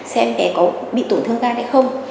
xem em bé có bị tổn thương ra hay không